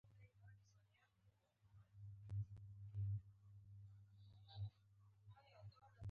د افغان قبایلو مشران د احمدشاه بابا تر شا ودرېدل.